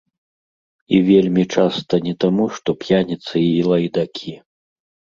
І вельмі часта не таму, што п'яніцы і лайдакі.